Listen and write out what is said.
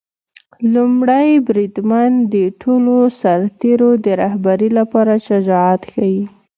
لومړی بریدمن د ټولو سرتیرو د رهبری لپاره شجاعت ښيي.